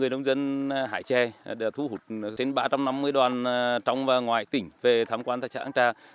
ba trăm năm mươi đoàn trong và ngoài tỉnh về thám quan thái trại ấn trà